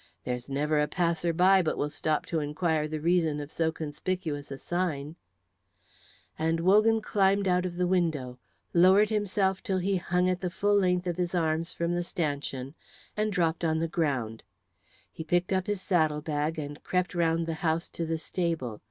There's never a passer by but will stop to inquire the reason of so conspicuous a sign;" and Wogan climbed out of the window, lowered himself till he hung at the full length of his arms from the stanchion, and dropped on the ground. He picked up his saddle bag and crept round the house to the stable.